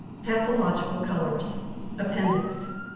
PATHOLOGICAL COLOURS. APPENDIX.